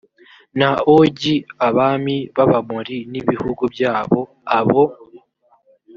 na ogi abami b abamori n ibihugu byabo abo